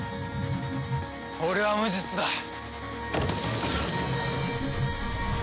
俺は無実だ。